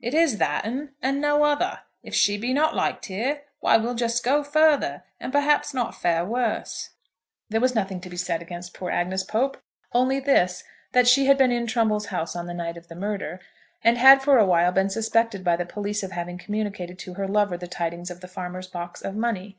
It is that 'un, and no other. If she be not liked here, why, we'll just go further, and perhaps not fare worse." There was nothing to be said against poor Agnes Pope, only this, that she had been in Trumbull's house on the night of the murder, and had for awhile been suspected by the police of having communicated to her lover the tidings of the farmer's box of money.